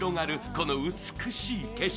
この美しい景色。